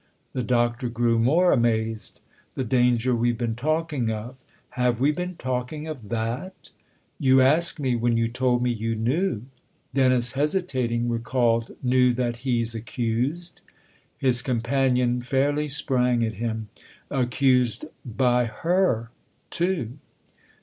" The Doctor grew more amazed. "The danger we've been talking of! " u Have we been talking of that ?"" You ask me, when you told me you knew ?" Dennis, hesitating, recalled. " Knew that he's accused ?" His companion fairly sprang at him. "Accused by her too